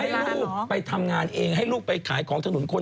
ให้ลูกไปทำงานเองให้ลูกไปขายของถนนคน